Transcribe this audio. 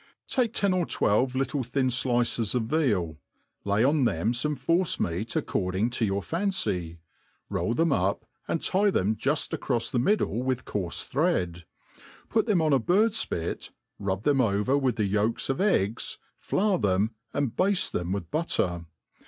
TAKE ten or twelve little thin flices of veal, lay on them f9me force meat according to your fancy, roll them up, and tie them juft acrofs the middle with coarfe thread, put them on a bird fpi't, rub them over with the yolks of eggs, fl.mr them, and bafte them with butter.